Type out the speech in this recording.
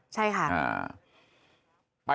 ใช่ค่ะ